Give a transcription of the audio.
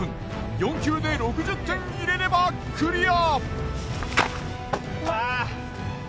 ４球で６０点入れればクリア。